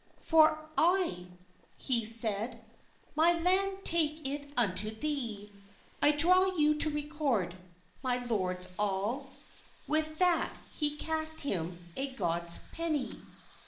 "For ... I ..." he said, "My land, take it unto thee; I draw you to record, my lords all;" With that he cast him a Gods pennie.